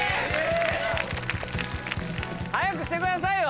早くしてくださいよ？